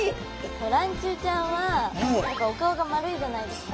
らんちゅうちゃんはお顔が丸いじゃないですか。